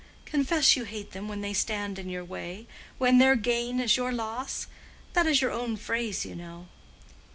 Confess you hate them when they stand in your way—when their gain is your loss? That is your own phrase, you know."